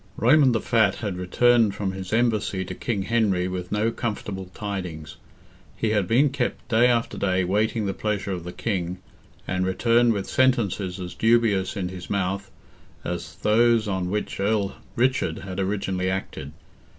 Raymond the Fat had returned from his embassy to King Henry, with no comfortable tidings. He had been kept day after day waiting the pleasure of the King, and returned with sentences as dubious in his mouth, as those on which Earl Richard had originally acted.